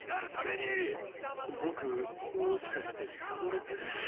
僕もしかして慕われてる？